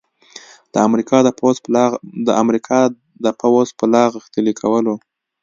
د امریکا د پوځ په لاغښتلي کولو